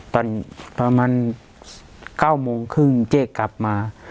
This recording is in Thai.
ประมาณ๙โมงครึ่งเจ๊กลับมา